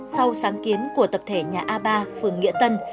sau sáng kiến của tập thể nhà a ba phường nghĩa tân